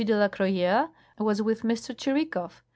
de la Croyere was with M. Tschirikow.